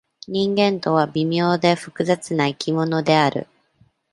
人間とは、微妙で、複雑な生き物である。